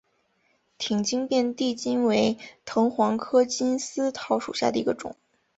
挺茎遍地金为藤黄科金丝桃属下的一个种。